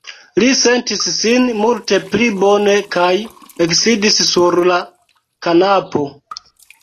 Li sentis sin multe pli bone kaj eksidis sur la kanapo.